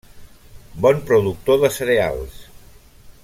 Bon productor de cereals.